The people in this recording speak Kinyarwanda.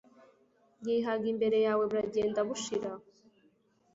yihaga imbere yawe buragenda bushira